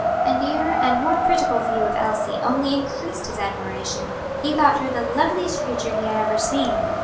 A nearer and more critical view of Elsie only increased his admiration; he thought her the loveliest creature he had ever seen.